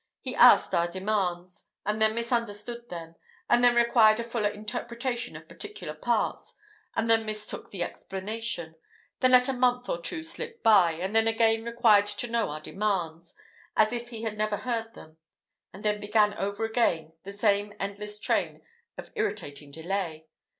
He asked our demands, and then misunderstood them; and then required a fuller interpretation of particular parts; and then mistook the explanation then let a month or two slip by; and then again required to know our demands, as if he had never heard them; and then began over again the same endless train of irritating delay.